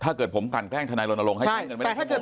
ถ้าเกิดผมกันแกล้งธนายโรนโลงให้ใช้เงินไม่ได้สักชั่วโมงหนึ่ง